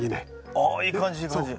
あいい感じいい感じ。